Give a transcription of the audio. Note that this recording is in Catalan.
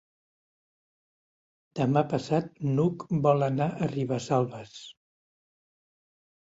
Demà passat n'Hug vol anar a Ribesalbes.